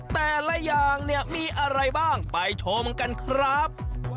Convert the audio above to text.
แต่ละอย่างเนี่ยมีอะไรบ้างไปชมกันครับ